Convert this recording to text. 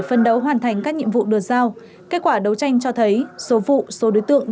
phân đấu hoàn thành các nhiệm vụ được giao kết quả đấu tranh cho thấy số vụ số đối tượng